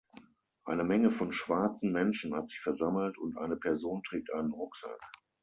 Eine Menge von schwarzen Menschen hat sich versammelt und eine Person trägt einen Rucksack.